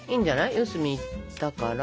四隅いったから。